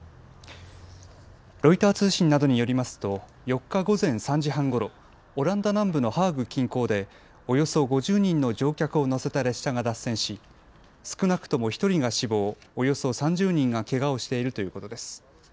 ロイター通信などによりますと４日午前３時半ごろ、オランダ南部のハーグ近郊でおよそ５０人の乗客を乗せた列車が脱線し少なくとも１人が死亡、およそ３０人がけがをしているということです。